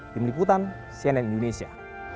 tim liputan cnn indonesia